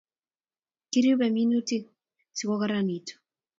Kiripei minutik sikokararanitu